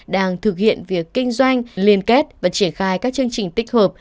đang thực hiện việc kinh doanh liên kết và triển khai các chương trình tích hợp